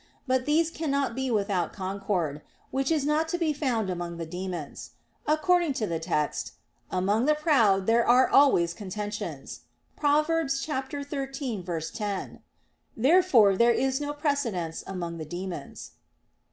But these cannot be without concord; which is not to be found among the demons, according to the text, "Among the proud there are always contentions" (Prov. 13:10). Therefore there is no precedence among the demons.